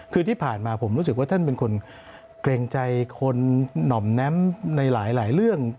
คือที่ผ่านมาผมรู้สึกว่าท่านเป็นคนเกรงใจคนหน่อมแน้มในหลายเรื่อง